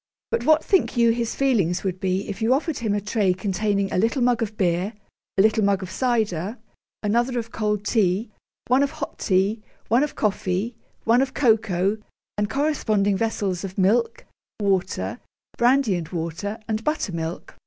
But what think you his feelings would be if you offered him a tray containing a little mug of beer, a little mug of cider, another of cold tea, one of hot tea, one of coffee, one of cocoa, and corresponding vessels of milk, water, brandy and water, and butter milk?